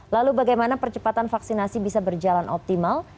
lalu bagaimana percepatan vaksinasi bisa berjalan optimal